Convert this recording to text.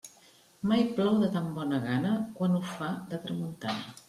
Mai plou de tan bona gana, quan ho fa de tramuntana.